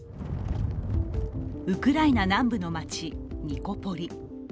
ウクライナ南部の町、ニコポリ。